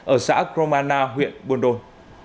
ở xã gromana huyện buôn đôn